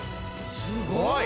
すごい！